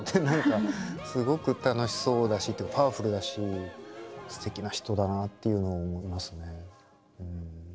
何かすごく楽しそうだしパワフルだしすてきな人だなっていうのを思いますね。